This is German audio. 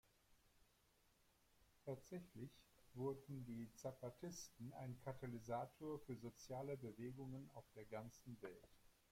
Tatsächlich wurden die Zapatisten ein Katalysator für soziale Bewegungen auf der ganzen Welt.